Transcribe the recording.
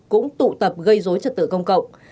cũng tụ tập gây dối trật tự công cộng